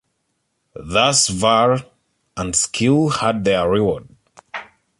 Thus valor and skill had their reward.